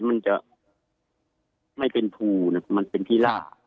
มันจะไม่เป็นภูนะมันเป็นที่ล่า